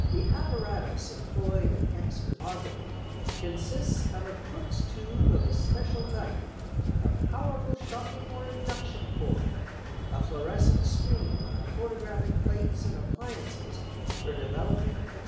The apparatus employed in X photography consists of a Crookes' tube of a special type, a powerful shocking or induction coil, a fluorescent screen and photographic plates and appliances for developing, &c.